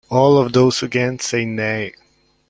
All those against, say Nay.